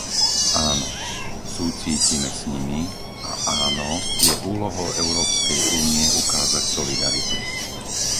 Áno, súcítime s nimi a áno, je úlohou Európskej únie ukázať solidaritu.